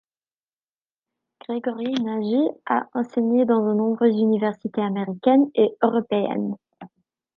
Gregory Nagy a enseigné dans de nombreuses universités américaines et européennes.